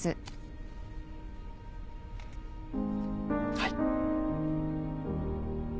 はい。